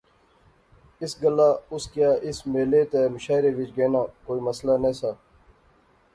اس گلاہ اس کیا اس میلے تہ مشاعرے وچ گینا کوئی مسئلہ نہسا